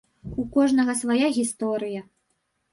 У кожнага свая гісторыя.